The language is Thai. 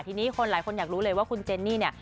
ทีนี้คนหลายคนอยากรู้เลยว่าคุณเจนนี่เนี่ย